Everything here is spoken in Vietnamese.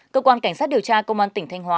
cơ quan cảnh sát điều tra công an tỉnh thanh hóa